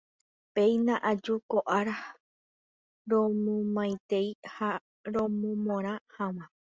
Péina aju ko ára romomaitei ha romomorã hag̃ua.